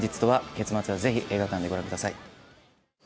結末はぜひ映画館でご覧ください。